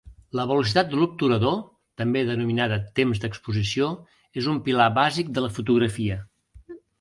La velocitat de l’obturador, també denominada temps d’exposició, és un pilar bàsic de la fotografia.